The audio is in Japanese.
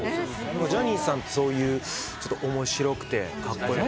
ジャニーさんってそういう面白くてカッコよくて。